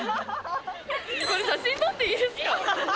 これ写真撮っていいですか？